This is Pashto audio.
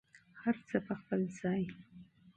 هر څه په خپل ځای.